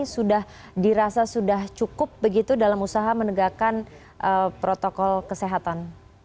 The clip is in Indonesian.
sudah dirasa sudah cukup begitu dalam usaha menegakkan protokol kesehatan